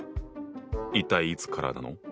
一体いつからなの？